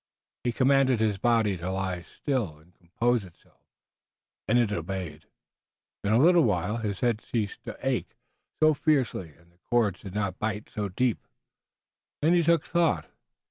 He commanded his body to lie still and compose itself and it obeyed. In a little while his head ceased to ache so fiercely, and the cords did not bite so deep. Then he took thought.